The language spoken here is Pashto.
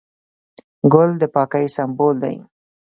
ګل د پاکۍ سمبول دی.